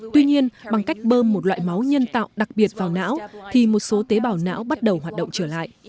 tuy nhiên bằng cách bơm một loại máu nhân tạo đặc biệt vào não thì một số tế bào não bắt đầu hoạt động trở lại